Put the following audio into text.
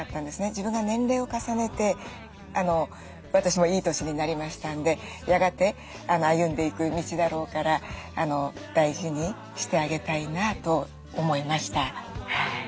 自分が年齢を重ねて私もいい年になりましたんでやがて歩んでいく道だろうから大事にしてあげたいなと思いました。